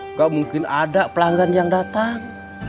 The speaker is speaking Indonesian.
nggak mungkin ada pelanggan yang datang